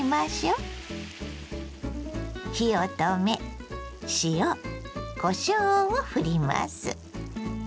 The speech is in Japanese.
火を止め塩こしょうをふります。